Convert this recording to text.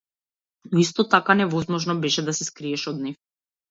Но исто така невозможно беше да се скриеш од нив.